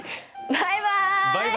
バイバイ！